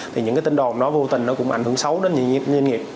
thì những cái tin đồn nó vô tình nó cũng ảnh hưởng xấu đến những doanh nghiệp